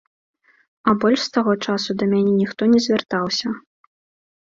А больш з таго часу да мяне ніхто не звяртаўся.